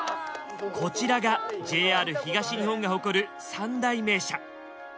こちらがＪＲ東日本が誇る三大名車。